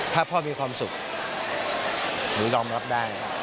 ถ้าพ่อมีความสุขหรือยอมรับได้